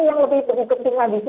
yang lebih penting lagi